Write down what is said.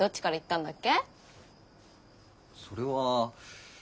それは。